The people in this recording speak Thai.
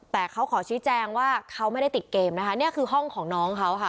แต่เขาขอชี้แจงว่าเขาไม่ได้ติดเกมนะคะนี่คือห้องของน้องเขาค่ะ